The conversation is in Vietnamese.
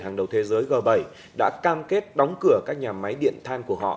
hàng đầu thế giới g bảy đã cam kết đóng cửa các nhà máy điện than của họ